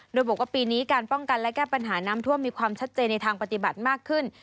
โดยบอกว่าปีนี้การป้องกันและแก้ปัญหาน้ำท่วมมีความชัดเจนในทางปฏิบัติมากขึ้น